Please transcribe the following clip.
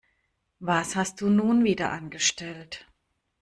Was hast du nun wieder angestellt?